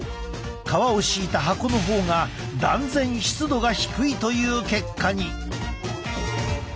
革を敷いた箱の方が断然湿度が低いという結果に。